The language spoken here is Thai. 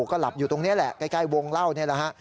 ก็หลับอยู่ตรงนี้แหละใกล้วงเล่านี่แหละฮะ